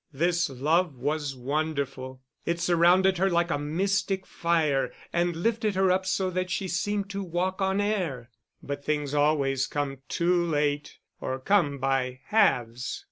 This love was wonderful; it surrounded her like a mystic fire and lifted her up so that she seemed to walk on air. But things always come too late or come by halves.